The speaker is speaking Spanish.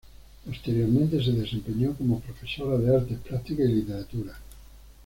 Posteriormente, se desempeñó como profesora de artes plásticas y literatura.